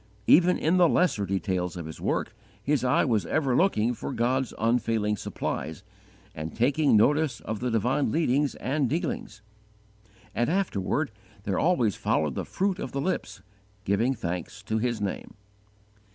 Even in the lesser details of his work, his eye was ever looking for God's unfailing supplies, and taking notice of the divine leadings and dealings; and, afterward, there always followed the fruit of the lips, giving thanks to His name.